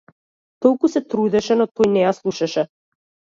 Толку се трудеше, но тој не ја слушаше.